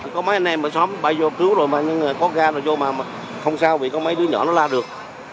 có mấy anh em ở xóm bay vô cứu rồi mà những người có ga nào vô mà không sao vì có mấy đứa nhỏ nó la được